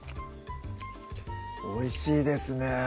おいしいですね